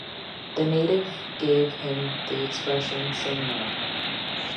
The natives gave him the expression "Sinloan".